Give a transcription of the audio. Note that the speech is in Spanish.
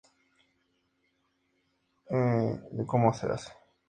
No tengo idea de cómo lo hace".